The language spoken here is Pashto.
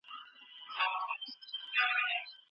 انټرنیټ د ټولنیز ژوند یوه مهمه برخه ګرځېدلې ده.